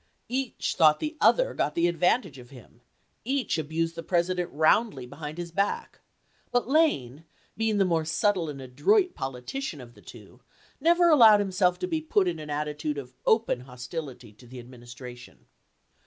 Each thought the other got the advantage of him, each abused the President roundly behind his back ; but Lane, being the more subtle and adroit politician of the two, never allowed himself to be put in an attitude of open hostility to the Adminis tration.